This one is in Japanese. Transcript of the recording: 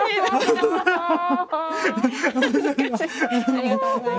ありがとうございます。